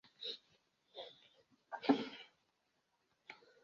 Àcā à akə̀ a miswàn.